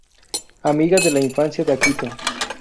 Amiga de la infancia de Akito.